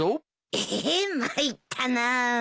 えっ参ったなぁ。